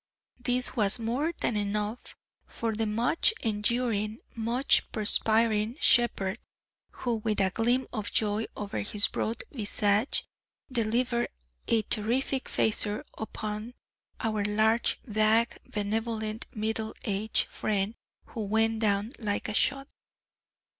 This was more than enough for the much enduring, much perspiring shepherd, who, with a gleam of joy over his broad visage, delivered a terrific facer upon our large, vague, benevolent, middle aged friend who went down like a shot.